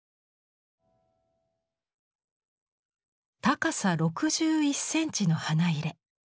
高さ６１センチの花入。